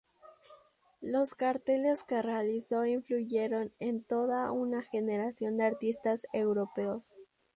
Los carteles que realizó influyeron en toda una generación de artistas europeos.